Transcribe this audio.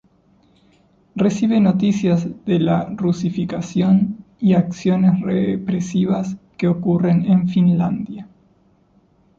Recibe noticias de la rusificación y acciones represivas que ocurren en Finlandia.